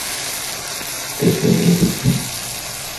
تسلم إيدك.